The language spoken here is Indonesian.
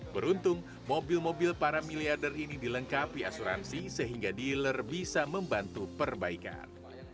beruntung mobil mobil para miliader ini dilengkapi asuransi sehingga dealer bisa membantu perbaikan